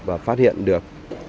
và phát hiện được